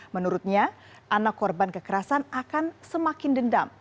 menurutnya anak korban kekerasan akan semakin dendam